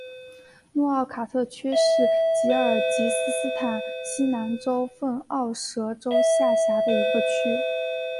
诺奥卡特区是吉尔吉斯斯坦西南州份奥什州下辖的一个区。